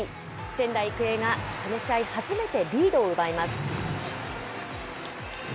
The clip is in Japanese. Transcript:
仙台育英がこの試合、初めてリードを奪います。